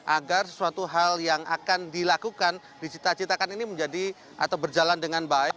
agar sesuatu hal yang akan dilakukan dicita citakan ini menjadi atau berjalan dengan baik